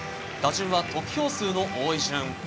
打順は得票数の多い順。